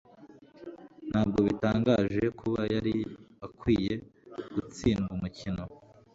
Ntabwo bitangaje kuba yari akwiye gutsindwa umukino